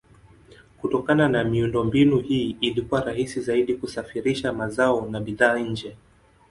Kutokana na miundombinu hii ilikuwa rahisi zaidi kusafirisha mazao na bidhaa nje.